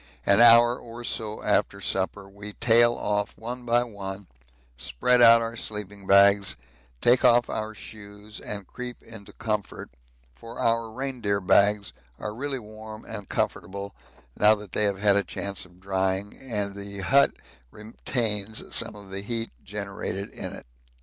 An hour or so after supper we tail off one by one, spread out our sleeping bags, take off our shoes and creep into comfort, for our reindeer bags are really warm and comfortable now that they have had a chance of drying, and the hut retains some of the heat generated in it.